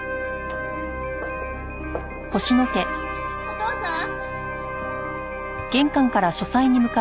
お父さん？